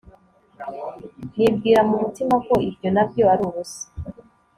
nibwira mu mutima ko ibyo na byo ari ubusa